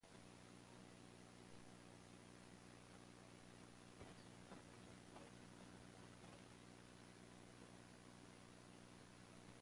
She competed in the European Championship three times doing successively better each time.